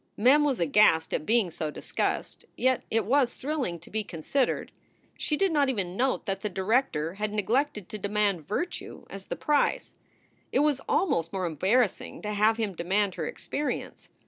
Mem was aghast at being so discussed, yet it was thrilling to be considered. She did not even note that the director had neglected to demand virtue as the Price. It was almost more embarrassing to have him demand her experience.